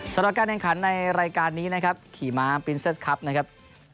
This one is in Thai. สำหรับการแข่งขันในรายการนี้นะครับขี่ม้าปินเซสครับนะครับ